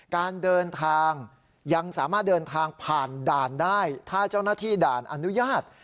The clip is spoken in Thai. การเดินทางยังสามารถเดินทางผ่านด่านได้ถ้าเจ้าหน้าที่ด่านอนุญาต